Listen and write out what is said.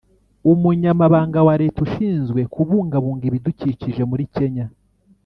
Umunyamabanga wa Leta Ushinzwe Kubungabunga Ibidukikije muri Kenya